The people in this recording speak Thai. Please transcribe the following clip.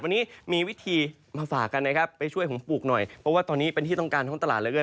วันนี้มีวิธีมาฝากกันนะครับไปช่วยผมปลูกหน่อยเพราะว่าตอนนี้เป็นที่ต้องการท้องตลาดเหลือเกิน